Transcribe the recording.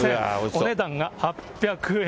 お値段が８００円。